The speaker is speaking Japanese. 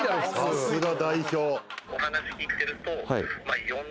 さすが代表。